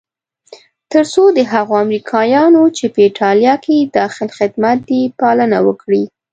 تر څو د هغو امریکایانو چې په ایټالیا کې داخل خدمت دي پالنه وکړي.